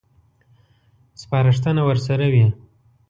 سپارښتنه ورسره وي.